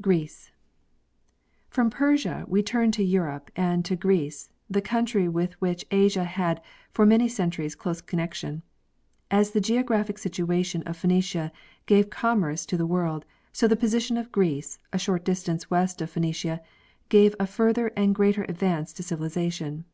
Greece. From Persia we turn to Europe and to Greece, the country with which Asia had for many centuries close connection. As the geographic situation of Phenecia gave commerce to the world, so the position of Greece, a short distance west of Phe necia, gave a further and greater advance to civilization.